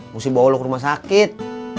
mesti bawa ke rumah sakit